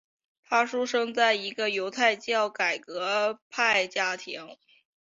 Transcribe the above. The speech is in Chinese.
他出生在一个犹太教改革派家庭。